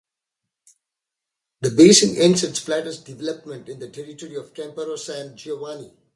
The basin ends its flattest development in the territory of Campora San Giovanni.